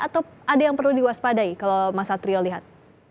atau ada yang perlu diwaspadai kalau mas satrio lihat